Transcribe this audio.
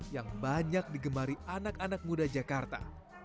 yang banyak digemari anak anak muda jakarta